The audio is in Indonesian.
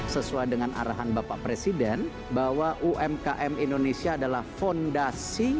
sesuai dengan arahan bapak presiden bahwa umkm indonesia adalah fondasi